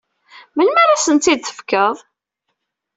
Melmi ara asen-t-id-tefkeḍ?